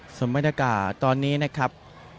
มัวลชนก็ยังคงทยอยเดินทางมาในพื้นที่อย่างต่อเนื่องนะครับ